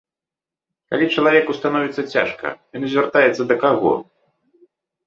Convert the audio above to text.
Калі чалавеку становіцца цяжка, ён звяртаецца да каго?